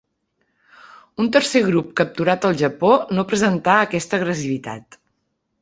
Un tercer grup capturat al Japó no presentà aquesta agressivitat.